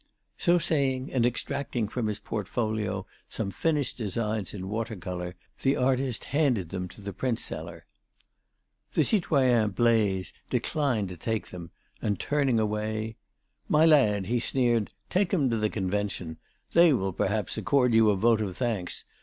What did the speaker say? So saying and extracting from his portfolio some finished designs in water colour, the artist handed them to the printseller. The citoyen Blaise declined to take them, and turning away: "My lad," he sneered, "take 'em to the Convention; they will perhaps accord you a vote of thanks.